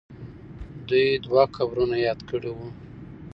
دوی دوه قبرونه یاد کړي وو.